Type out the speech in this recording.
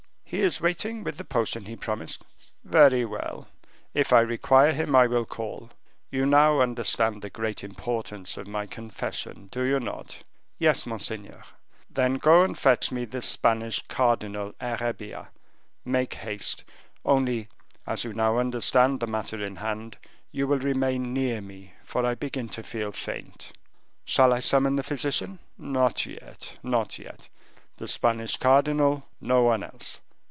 "He is waiting with the potion he promised." "Very well; if I require him, I will call; you now understand the great importance of my confession, do you not?" "Yes, monseigneur." "Then go and fetch me the Spanish Cardinal Herrebia. Make haste. Only, as you now understand the matter in hand, you will remain near me, for I begin to feel faint." "Shall I summon the physician?" "Not yet, not yet... the Spanish cardinal, no one else.